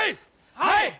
はい！